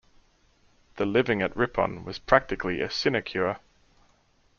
The living at Ripon was practically a sinecure.